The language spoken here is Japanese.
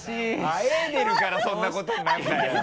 あえいでるからそんなことになるんだよ！